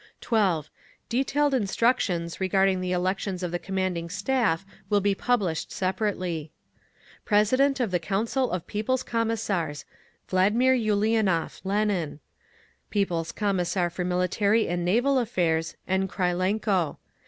12. Detailed instructions regarding the elections of the commanding Staff will be published separately. President of the Council of People's Commissars. VL. ULIANOV (LENIN). People's Commissar for Military and Naval Affairs, N. KRYLENKO.